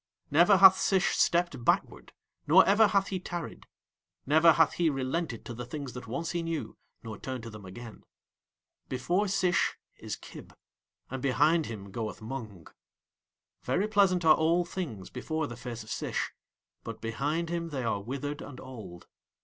Never hath Sish stepped backward nor ever hath he tarried; never hath he relented to the things that once he knew nor turned to them again. Before Sish is Kib, and behind him goeth Mung. Very pleasant are all things before the face of Sish, but behind him they are withered and old.